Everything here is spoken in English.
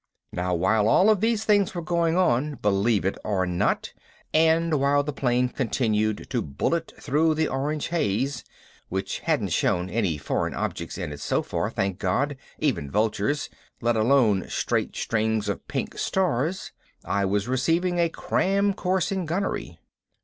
Now while all these things were going on, believe it or not, and while the plane continued to bullet through the orange haze which hadn't shown any foreign objects in it so far, thank God, even vultures, let alone "straight strings of pink stars" I was receiving a cram course in gunnery!